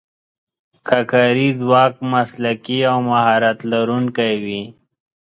که کاري ځواک مسلکي او مهارت لرونکی وي.